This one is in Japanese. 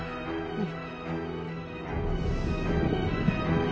うん。